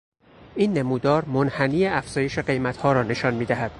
این نمودار منحنی افزایش قیمتها را نشان میدهد.